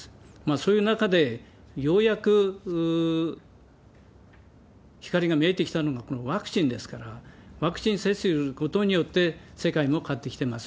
そういう中で、ようやく光が見えてきたのが、このワクチンですから、ワクチン接種することによって世界も変わってきています。